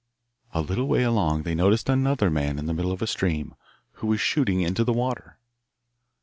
A little way along they noticed another man in the middle of a stream, who was shooting into the water.